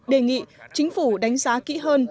đề nghị chính phủ đánh giá kỹ hơn